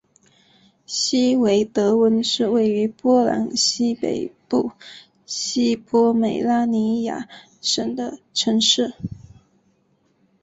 希维德温是位于波兰西北部西波美拉尼亚省的城市。